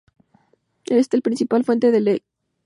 Es la principal fuente del Echo Creek.